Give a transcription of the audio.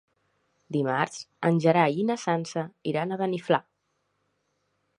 Dimarts en Gerai i na Sança iran a Beniflà.